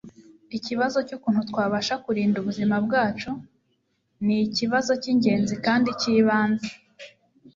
ikibazo cy'ukuntu twabasha kurinda ubuzima bwacu ni ikibazo cy'ingenzi kandi cy'ibanze